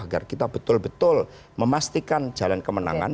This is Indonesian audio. agar kita betul betul memastikan jalan kemenangan